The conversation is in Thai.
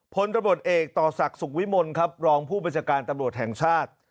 พลตำรวจเอกต่อศักดิ์สุขวิมลครับรองผู้บัญชาการตำรวจแห่งชาติ